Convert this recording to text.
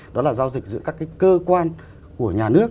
đó là giao dịch giữa các cái cơ quan của nhà nước